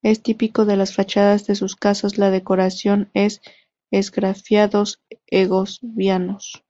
Es típico de las fachadas de de sus casas la decoración con esgrafiados segovianos.